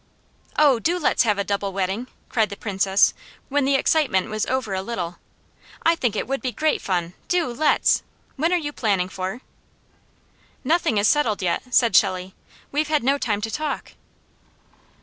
"Oh do let's have a double wedding!" cried the Princess when the excitement was over a little. "I think it would be great fun; do let's! When are you planning for?" "Nothing is settled yet," said Shelley. "We've had no time to talk!"